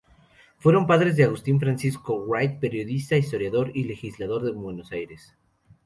Fueron padres de Agustín Francisco Wright, periodista, historiador y legislador en Buenos Aires.